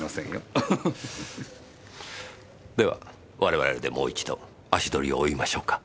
では我々でもう一度足取りを追いましょうか。